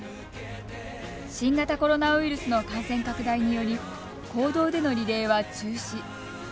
新型コロナウイルスの感染拡大により公道でのリレーは中止。